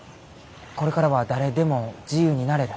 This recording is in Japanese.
これからは誰でも自由になれる。